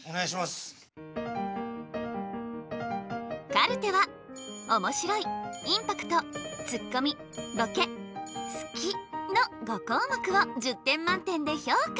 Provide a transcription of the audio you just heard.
カルテはおもしろいインパクトツッコミボケ好きの５項目を１０点満点で評価。